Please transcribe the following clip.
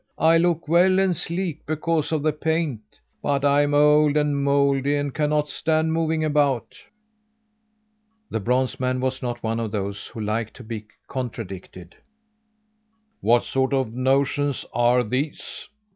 I look well and sleek because of the paint, but I'm old and mouldy, and cannot stand moving about." The bronze man was not one of those who liked to be contradicted. "What sort of notions are these?